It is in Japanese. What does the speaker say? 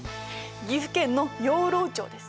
岐阜県の養老町です。